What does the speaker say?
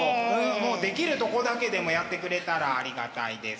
もうできるとこだけでもやってくれたらありがたいです。